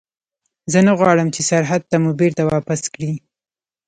زه نه غواړم چې سرحد ته مو بېرته واپس کړي.